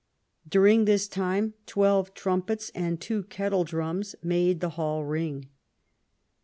During this time twelve trumpets and two kettle drums made the hall ring.